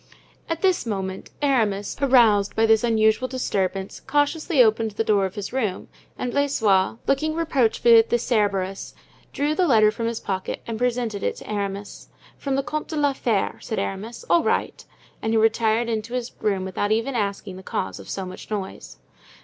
At this moment Aramis, aroused by this unusual disturbance, cautiously opened the door of his room; and Blaisois, looking reproachfully at the Cerberus, drew the letter from his pocket and presented it to Aramis. "From the Comte de la Fere," said Aramis. "All right." And he retired into his room without even asking the cause of so much noise.